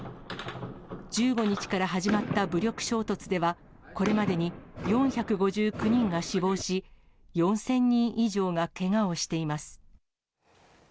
１５日から始まった武力衝突では、これまでに４５９人が死亡し、４０００人以上がけがをしています。